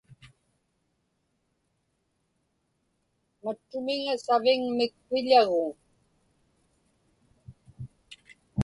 Mattumiŋa savigmik piḷaguŋ.